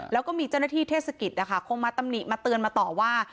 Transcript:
แล้วก็มีเจ้าหน้าที่เทศกิจนะคะคงมาตำหนิมาเตือนมาต่อว่า